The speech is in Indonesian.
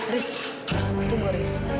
riz tunggu riz